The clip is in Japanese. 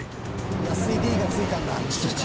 「安井Ｄがついたんだ」